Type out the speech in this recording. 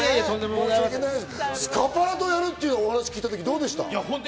スカパラとやるって聞いたときはどうでした？